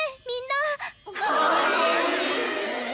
みんな！